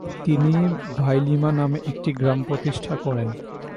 তিনি ভাইলিমা নামে একটি গ্রাম প্রতিষ্ঠা করেন।